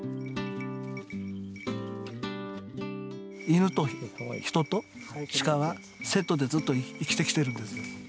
犬と人とシカがセットでずっと生きてきてるんですよ。